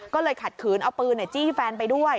ก็เลยขัดขืนเอาปืนจี้แฟนไปด้วย